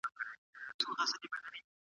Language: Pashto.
مور مې ماته د لمانځه په پابندۍ ټینګار وکړ.